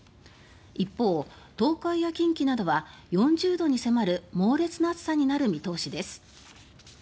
一方、東海や近畿などは４０度に迫る猛烈な暑さになる見通しです。